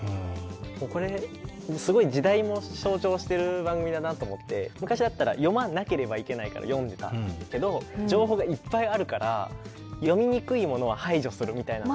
これすごい時代も象徴してる番組だなと思って昔だったら読まなければいけないから読んでたけど情報がいっぱいあるから読みにくいものは排除するみたいな。